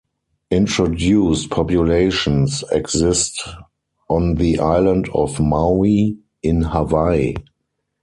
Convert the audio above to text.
Introduced populations exist on the island of Maui in Hawaii.